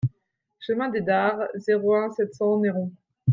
Chemin des Dares, zéro un, sept cents Neyron